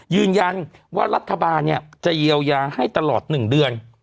ยืนยันว่ารัฐบาลจะเยียวยาให้ตลอด๑เดือน